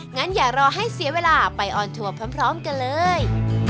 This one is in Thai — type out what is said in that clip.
งั้นอย่ารอให้เสียเวลาไปออนทัวร์พร้อมกันเลย